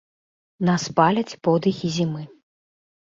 Нас паляць подыхі зімы.